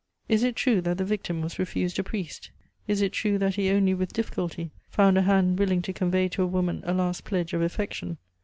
Is it true that the victim was refused a priest? Is it true that he only with difficulty found a hand willing to convey to a woman a last pledge of affection?